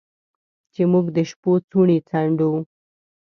چې موږ د شپو څوڼې څنډو